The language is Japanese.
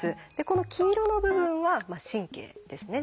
この黄色の部分は「神経」ですね。